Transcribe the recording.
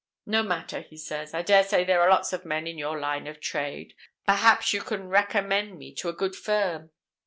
'No matter,' he says, 'I daresay there are lots of men in your line of trade—perhaps you can recommend me to a good firm?